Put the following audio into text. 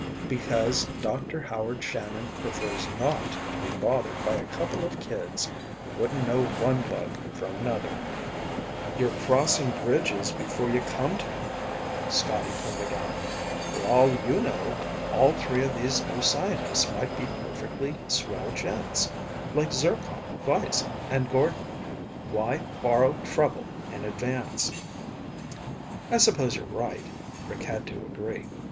Because Dr. Howard Shannon prefers not to be bothered by a couple of kids who wouldn't know one bug from another." "You're crossing bridges before you come to 'em," Scotty pointed out. "For all you know, all three of these new scientists might be perfectly swell gents, like Zircon, Weiss, and Gordon. Why borrow trouble in advance?" "I suppose you're right," Rick had to agree.